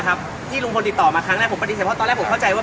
ไหมที่มาวันนี้ครับเพราะผมเคยบอกกับสินะว่า